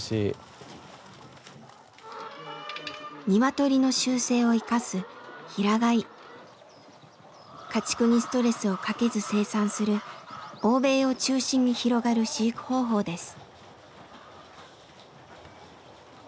鶏の習性を生かす家畜にストレスをかけず生産する欧米を中心に広がる飼育方法です。